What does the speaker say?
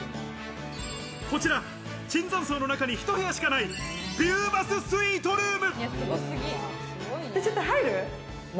こちら、椿山荘の中にひと部屋しかないビューバススイートルーム。